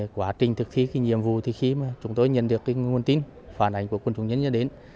quá trình thực thi nhiệm vụ khi chúng tôi nhận được nguồn tin phản ảnh của quân chủ nhân đến